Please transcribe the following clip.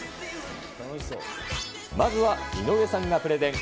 まずは井上さんがプレゼン。